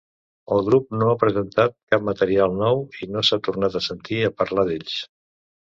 El grup no ha presentat cap material nou i no s'ha tornat a sentit a parlar d'ells.